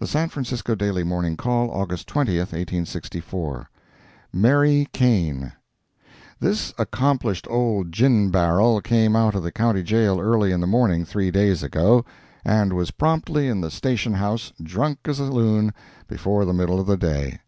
The San Francisco Daily Morning Call, August 20, 1864 MARY KANE This accomplished old gin barrel came out of the County Jail early in the morning three days ago, and was promptly in the station house, drunk as a loon, before the middle of the day.